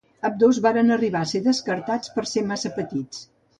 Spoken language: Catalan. Ambdós varen arribar a ser descartats per ser massa petits.